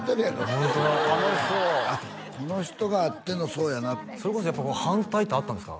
ホントだ楽しそうこの人があってのそうやなそれこそやっぱ反対ってあったんですか？